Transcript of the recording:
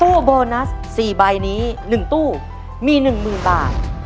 โบนัส๔ใบนี้๑ตู้มี๑๐๐๐บาท